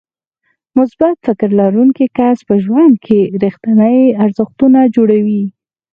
مثبت فکر لرونکی کس په ژوند کې رېښتيني ارزښتونه جوړوي.